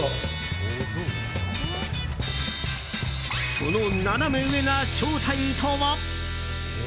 そのナナメ上な正体とは？